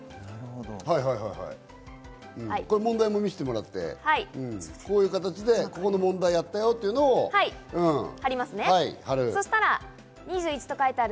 問題も見せてもらって、こういう形でここの問題をやったよというのを貼る。